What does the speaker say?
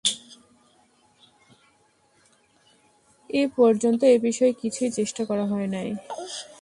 এ পর্যন্ত এ বিষয়ে কিছুই চেষ্টা করা হয় নাই।